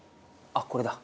あっこれだ。